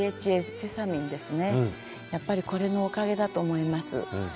やっぱりこれのおかげだと思います。